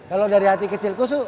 kalau dari hati kecilku sih